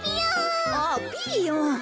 あピーヨン。